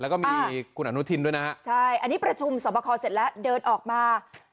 แล้วก็มีคุณอนุทินด้วยนะฮะใช่อันนี้ประชุมสอบคอเสร็จแล้วเดินออกมา